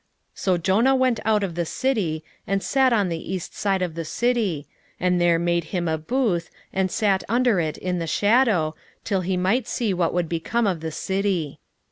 4:5 So Jonah went out of the city, and sat on the east side of the city, and there made him a booth, and sat under it in the shadow, till he might see what would become of the city.